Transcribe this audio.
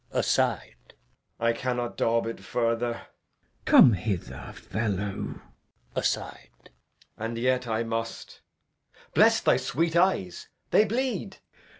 [Aside] I cannot daub it further. Glou. Come hither, fellow. Edg. [aside] And yet I must. Bless thy sweet eyes, they bleed.